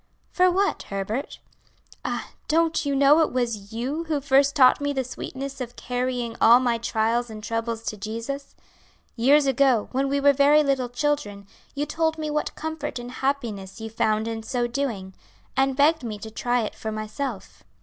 "For what, Herbert?" "Ah, don't you know it was you who first taught me the sweetness of carrying all my trials and troubles to Jesus? Years ago, when we were very little children, you told me what comfort and happiness you found in so doing, and begged me to try it for myself."